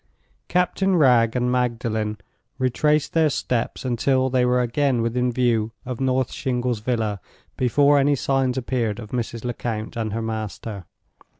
Captain Wragge and Magdalen retraced their steps until they were again within view of North Shingles Villa before any signs appeared of Mrs. Lecount and her master.